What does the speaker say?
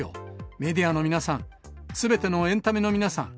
メディアの皆さん、すべてのエンタメの皆さん。